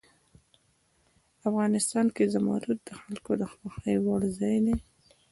افغانستان کې زمرد د خلکو د خوښې وړ ځای دی.